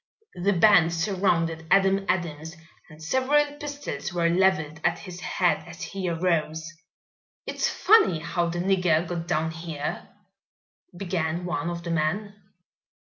The band surrounded Adam Adams and several pistols were leveled at his head as he arose. "It's funny how the nigger got down here " began one of the men.